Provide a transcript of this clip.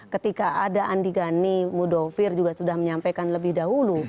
ketika ada andi gani mudofir juga sudah menyampaikan lebih dahulu